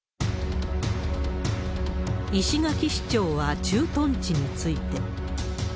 石垣市長は、駐屯地について。